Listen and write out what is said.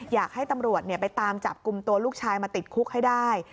อยากให้ตำรวจไปตามจับกลุ่มตัวลูกชายมาติดคุกให้ได้